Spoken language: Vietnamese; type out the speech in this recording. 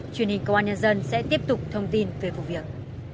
truyền hình công an nhân dân sẽ tiếp tục thông tin về vụ việc